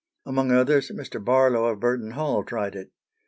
Among others Mr. Barlow of Burton Hall tried it.